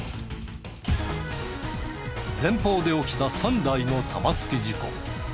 前方で起きた３台の玉突き事故。